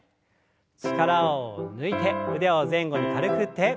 力を抜いて腕を前後に軽く振って。